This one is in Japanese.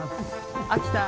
秋田。